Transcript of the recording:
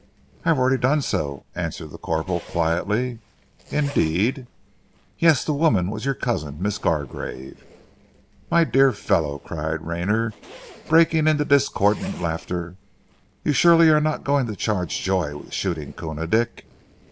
"I have already done so," answered the corporal quietly. "Indeed?" "Yes, the woman was your cousin, Miss Gargrave." "My dear fellow," cried Rayner, breaking into discordant laughter. "You surely are not going to charge Joy with shooting Koona Dick?"